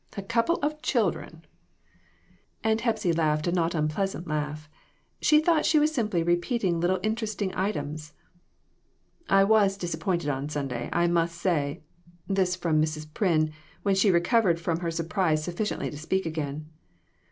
A couple of children !" Aunt Hepsy laughed a not unpleasant laugh. She thought she was simply repeating little inter esting items. "I was disappointed on Sunday, I must say" this from Mrs. Pryn, when she recovered from her surprise sufficiently to speak again.